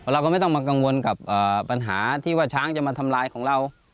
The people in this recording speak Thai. เราก็ไม่ต้องมากังวลกับปัญหาที่ว่าช้างจะมาทำลายของเรา